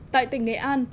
tại tỉnh nghệ an